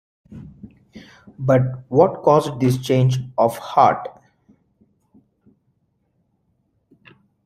But what caused this change of heart?